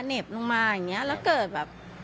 เห็บลงมาอย่างนี้แล้วเกิดแบบ